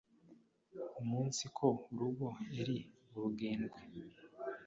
umunsiko urugo eri urugendwe.